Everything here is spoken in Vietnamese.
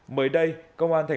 mới đây công an tp hcm